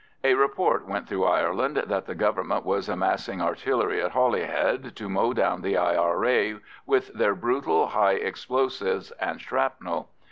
A report went through Ireland that the Government was massing artillery at Holyhead to mow down the I.R.A. with their brutal high explosives and shrapnel.